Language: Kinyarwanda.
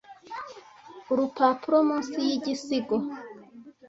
urupapuro munsi yigisigo